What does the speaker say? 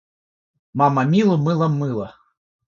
Мама Милу мылом мыла.